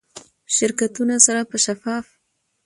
شرکتونو سره به شفاف،